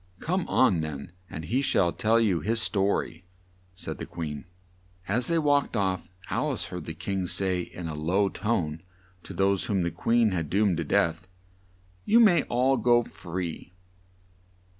"Come on then, and he shall tell you his sto ry," said the Queen. As they walked off, Al ice heard the King say in a low tone to those whom the Queen had doomed to death, "You may all go free!"